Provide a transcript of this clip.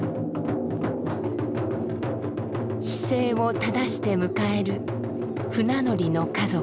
姿勢を正して迎える船乗りの家族。